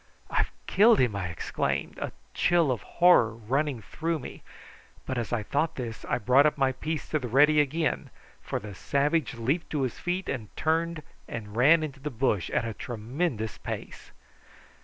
"I've killed him!" I exclaimed, a chill of horror running through me; but as I thought this I brought my piece to the ready again, for the savage leaped to his feet and turned and ran into the bush at a tremendous pace.